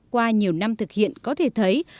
qua nhiều năm thực hiện có thể thấy